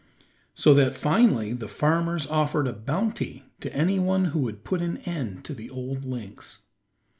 So that finally the farmers offered a bounty to any one who would put an end to the old lynx.